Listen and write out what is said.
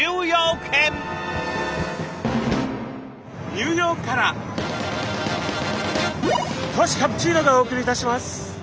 ニューヨークからトシ・カプチーノがお送りいたします。